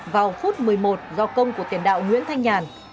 vào phút một mươi một do công của tiền đạo nguyễn thanh nhàn